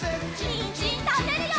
にんじんたべるよ！